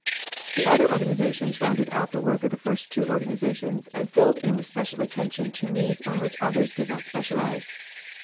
The other organizations rounded out the work of the first two organizations and filled in with special attention to needs on which the others did not specialize.